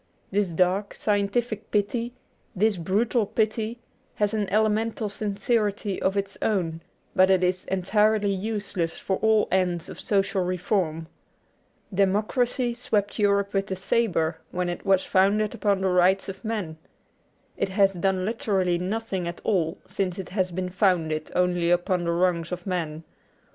This dark, scientific pity, this brutal pity, has an elemental sincerity of its own, but it is entirely useless for all ends of social reform. Democracy swept Europe with the sabre when it was founded upon the Rights of Man. It has done literally nothing at all since it has been founded only upon the wrongs of man.